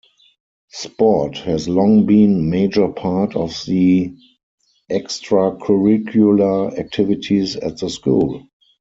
Sport has long been major part of the extracurricular activities at the school.